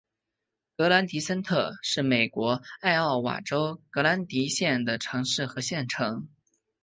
格兰迪森特是美国艾奥瓦州格兰迪县的城市和县城。